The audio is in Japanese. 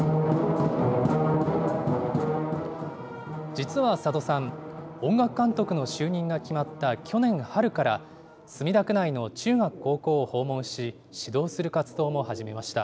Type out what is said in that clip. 実は佐渡さん、音楽監督の就任が決まった去年春から、墨田区内の中学、高校を訪問し、指導する活動も始めました。